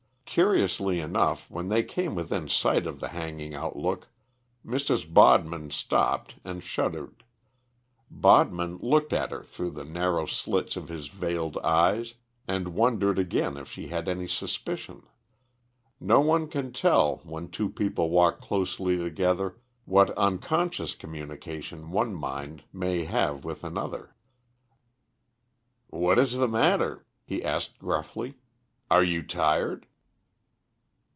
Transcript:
Curiously enough, when they came within sight of the Hanging Outlook, Mrs. Bodman stopped and shuddered. Bodman looked at her through the narrow slits of his veiled eyes, and wondered again if she had any suspicion. No one can tell, when two people walk closely together, what unconscious communication one mind may have with another. "What is the matter?" he asked gruffly. "Are you tired?"